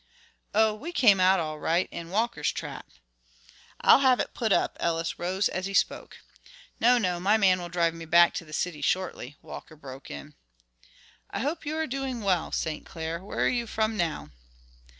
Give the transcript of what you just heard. "Oh, we came out all right in Walker's trap." "I'll have it put up." Ellis rose as he spoke. "No, no; my man will drive me back to the city shortly," Walker broke in. "I hope you are doing well, St. Clair; where are you from now?"